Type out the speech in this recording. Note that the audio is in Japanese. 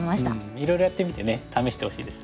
いろいろやってみてね試してほしいですね。